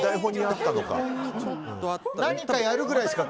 何かやるぐらいしか。